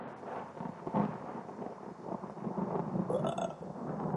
پی C B سالانہ award تقریب Hasan Ali one day format کے بہترین کھلاڑی قرار پائے